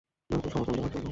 নৈতিক সমর্থন দেওয়ার জন্য।